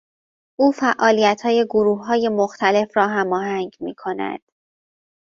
او فعالیتهای گروههای مختلف را هماهنگ میکند.